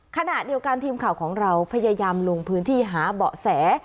ขณะเดียวกันทีมข่าวของเราพยายามลงพื้นที่หาเบาะแส